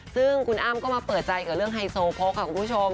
ซึ่งคุณอ้ำก็มาเปิดใจกับเรื่องไฮโซโพกค่ะคุณผู้ชม